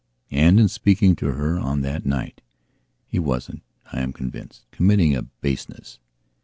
And, in speaking to her on that night, he wasn't, I am convinced, committing a baseness.